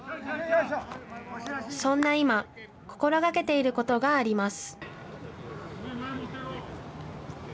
そんな今、心がけていることがあります。